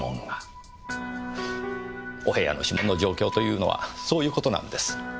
お部屋の指紋の状況というのはそういう事なんです。